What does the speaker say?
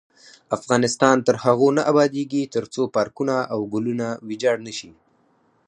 افغانستان تر هغو نه ابادیږي، ترڅو پارکونه او ګلونه ویجاړ نشي.